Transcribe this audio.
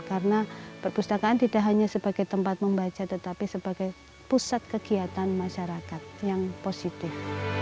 karena perpustakaan tidak hanya sebagai tempat membaca tetapi sebagai pusat kegiatan masyarakat yang positif